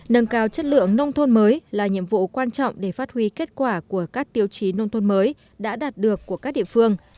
nâng cao chất lượng nông thôn mới là nhiệm vụ quan trọng để phát huy kết quả của các tiêu chí nông thôn mới đã đạt được của các địa phương